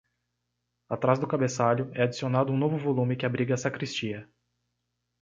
Atrás do cabeçalho, é adicionado um novo volume que abriga a sacristia.